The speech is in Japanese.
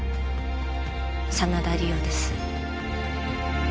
真田梨央です